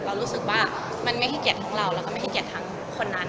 เรารู้สึกว่ามันไม่เครียดทั้งเราแล้วก็ไม่เครียดทั้งคนนั้น